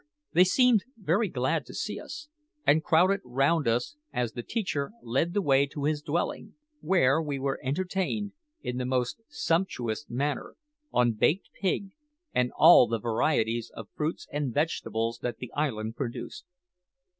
They seemed very glad to see us, and crowded round us as the teacher led the way to his dwelling, where we were entertained, in the most sumptuous manner, on baked pig and all the varieties of fruits and vegetables that the island produced.